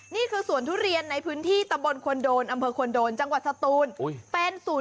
นี่คือสวนทุเรียนในพื้นที่ตำบลควนโดนอำเภอควรโดนจังหวัดสตูน